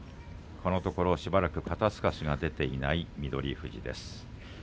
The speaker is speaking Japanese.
このところ肩すかしが出ていない翠富士です。